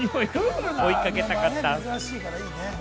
追いかけたかった。